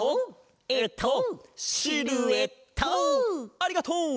ありがとう！